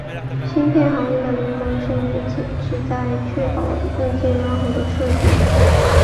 芯片行业的联盟成员旨在确保硬件友好的设计。